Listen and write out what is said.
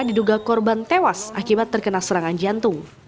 diduga korban tewas akibat terkena serangan jantung